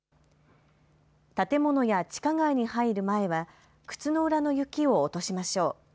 建物や地下街に入る前は靴の裏の雪を落としましょう。